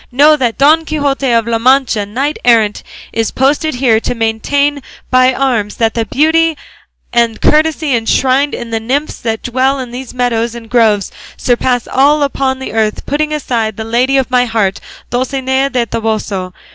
Know that Don Quixote of La Mancha, knight errant, is posted here to maintain by arms that the beauty and courtesy enshrined in the nymphs that dwell in these meadows and groves surpass all upon earth, putting aside the lady of my heart, Dulcinea del Toboso.